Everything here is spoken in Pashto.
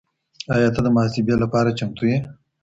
ایا ته د محاسبې لپاره چمتو یې؟